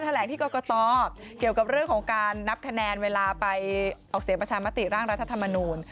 แหลงที่กรกตเกี่ยวกับเรื่องของการนับคะแนนเวลาไปออกเสียงประชามติร่างรัฐธรรมนูล